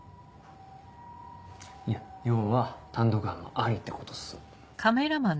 いや要は単独犯もありってことっす。